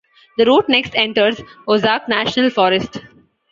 The route next enters Ozark National Forest.